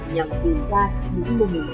nhằm tìm ra những mô hình